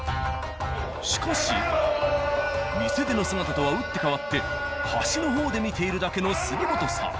しかし店での姿とは打って変わって端の方で見ているだけの杉本さん。